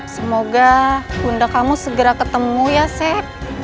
semoga bunda kamu segera ketemu ya chef